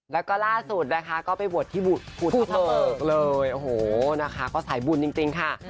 แล้วก็ล่าสุดนะคะก็ไปบวชที่ภูทะเบิกเลยโอ้โหนะคะก็สายบุญจริงค่ะ